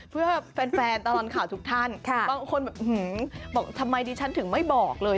เพื่อแฟนตลอดข่าวทุกท่านบางคนแบบบอกทำไมดิฉันถึงไม่บอกเลย